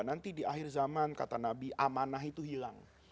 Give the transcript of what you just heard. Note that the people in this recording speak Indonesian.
nanti di akhir zaman kata nabi amanah itu hilang